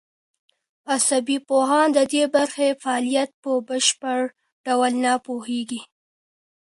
عصبي پوهان د دې برخې فعالیت په بشپړ ډول نه پوهېږي.